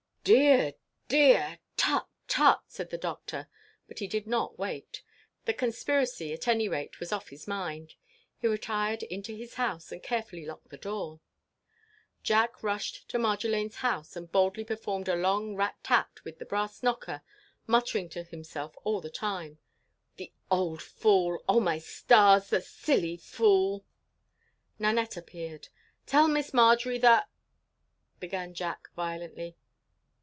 "Dear, dear! Tut, tut!" said the Doctor; but he did not wait. The conspiracy at any rate was off his mind. He retired into his house, and carefully locked the door. Jack rushed to Marjolaine's house and boldly performed a long rat tat with the brass knocker, muttering to himself all the time, "The old fool! Oh, my stars! the silly old fool!" Nanette appeared. "Tell Miss Marjory that—" began Jack, violently.